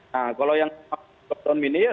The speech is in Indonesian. nah kalau yang lockdown ini ya